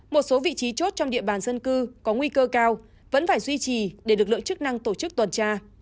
một số vị trí chốt trong địa bàn dân cư có nguy cơ cao vẫn phải duy trì để lực lượng chức năng tổ chức tuần tra